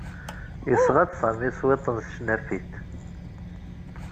Yesɣa-d Sami cwiṭ n tecnafit.